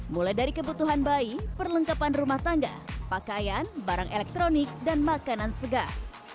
mulai dari kebutuhan bayi perlengkapan rumah tangga pakaian barang elektronik dan makanan segar